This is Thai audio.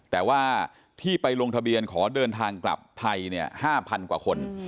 แต่ว่าที่ไปลงทะเบียนขอเดินทางกลับไทย๕๐๐กว่าคน